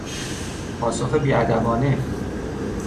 پاسخ بیادبانه